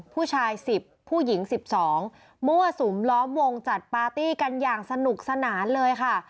ผู้ชาย๑๐ผู้หญิง๑๒มั่วสุมล้อมวงจัดปาร์ตี้กันอย่างสนุกสนานเลยค่ะ